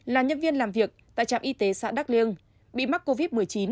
là nhân viên làm việc tại trạm y tế xã đắk liêng bị mắc covid một mươi chín